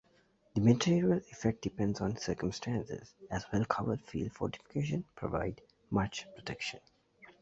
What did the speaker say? The material effect depends on circumstances, as well-covered field fortification provide much protection.